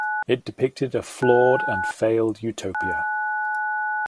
It depicted a flawed and failed utopia.